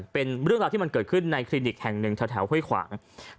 เป็นเรื่องราวที่มันเกิดขึ้นในคลินิกแห่งหนึ่งแถวห้วยขวาง